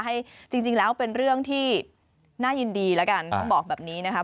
จริงแล้วเป็นเรื่องที่น่ายินดีแล้วกันต้องบอกแบบนี้นะครับ